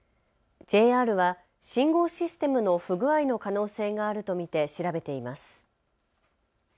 ＪＲは信号システムの不具合の可能性があると見て調べています。